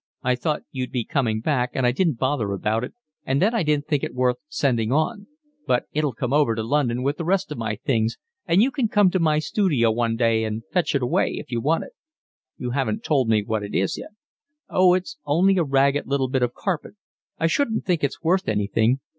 I thought you'd be coming back and I didn't bother about it, and then I didn't think it worth sending on; but it'll come over to London with the rest of my things, and you can come to my studio one day and fetch it away if you want it." "You haven't told me what it is yet." "Oh, it's only a ragged little bit of carpet. I shouldn't think it's worth anything.